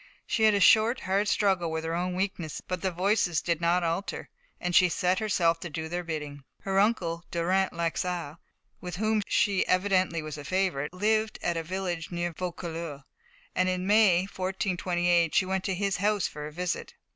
She had a short, hard struggle with her own weakness, but the voices did not alter, and she set herself to do their bidding. Her uncle, Durant Laxart, with whom she evidently was a favourite, lived at a village near Vaucouleurs, and in May, 1428, she went to his house for a visit.